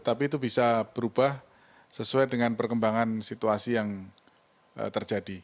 tapi itu bisa berubah sesuai dengan perkembangan situasi yang terjadi